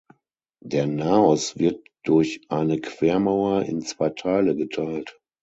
Der Naos wird durch eine Quermauer in zwei Teile geteilt.